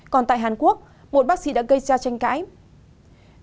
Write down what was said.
còn tại hàn quốc một bác sĩ đã gây ra tranh cãi khi có phát ngôn